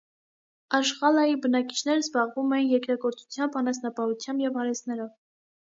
Աշղալայի բնակիչներն զբաղվում էին երկրագործությամբ, անասնապահությամբ և արհեստներով։